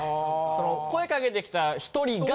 その声かけてきた１人が。